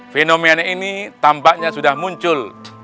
fenomena ini tampaknya sudah muncul